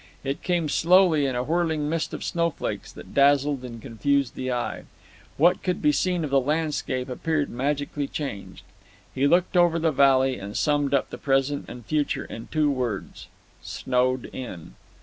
It came slowly in a whirling mist of snowflakes that dazzled and confused the eye. What could be seen of the landscape appeared magically changed. He looked over the valley, and summed up the present and future in two words "snowed in!"